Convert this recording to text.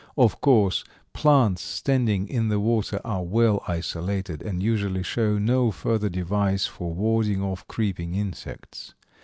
Of course, plants standing in the water are well isolated, and usually show no further device for warding off creeping insects.